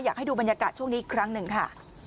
อยากให้ดูบรรยากาศช่วงนี้อีกครั้งหนึ่งค่ะ